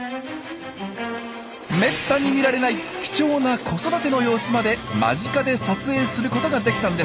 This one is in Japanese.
めったに見られない貴重な子育ての様子まで間近で撮影することができたんです。